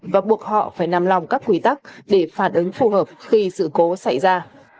và buộc họ phải nằm lòng các quy tắc để phản ứng phù hợp khi sự cố xảy ra